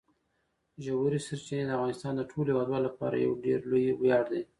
ژورې سرچینې د افغانستان د ټولو هیوادوالو لپاره یو ډېر لوی ویاړ دی.